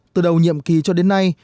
từ đầu nhiệm kỳ cho đến nay